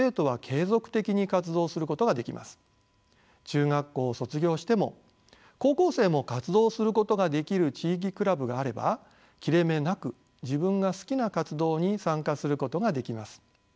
中学校を卒業しても高校生も活動することができる地域クラブがあれば切れ目なく自分が好きな活動に参加することができます。